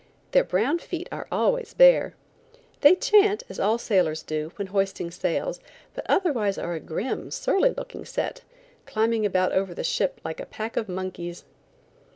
Their brown feet are always bare. They chant, as all sailors do, when hoisting sails, but otherwise are a grim, surly looking set, climbing about over the ship like a pack of monkeys.